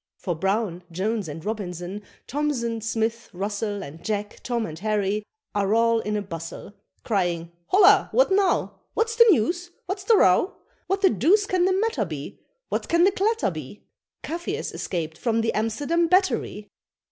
For Brown, Jones, and Robinson, Thomson, Smith, Russel, And Jack, Tom, and Harry, are all in a bustle, Crying, "Holloa! what now? What's the news? what's the row? What the deuce can the matter be? What can the clatter be?" Kafirs escaped from the Amsterdam Battery!